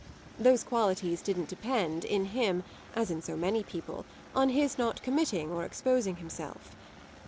Those qualities didn't depend, in him, as in so many people, on his not committing or exposing himself.